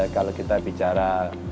kalau kita bicara